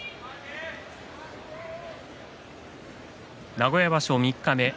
名古屋場所三日目